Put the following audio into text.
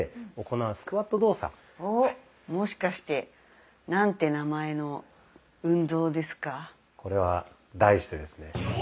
もしかして何て名前の運動ですか？